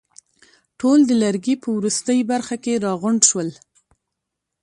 ټول د لرګي په وروستۍ برخه کې راغونډ شول.